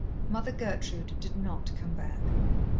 Mother Gertrude did not come back.